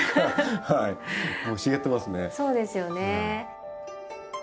そうですよね。